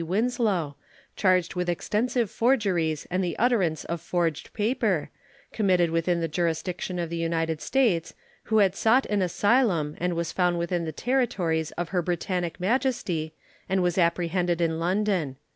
Winslow, charged with extensive forgeries and the utterance of forged paper, committed within the jurisdiction of the United States, who had sought an asylum and was found within the territories of Her Britannic Majesty and was apprehended in London.